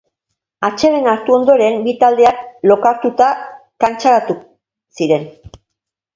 Atsedena hartu ondoren, bi taldeak lokartuta kantxaratu ziren.